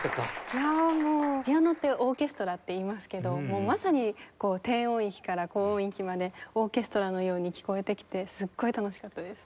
いやもうピアノってオーケストラって言いますけどまさに低音域から高音域までオーケストラのように聴こえてきてすっごい楽しかったです。